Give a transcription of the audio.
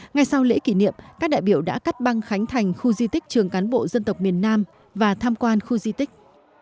ngay sau lễ kỷ niệm các đại biểu đã cắt băng khánh thành khu di tích trường cán bộ dân tộc miền nam và tham quan khu di tích